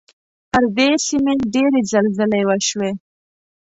پر دې سیمې ډېرې زلزلې وشوې.